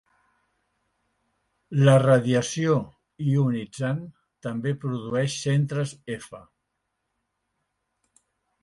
La radiació ionitzant també produeix centres F.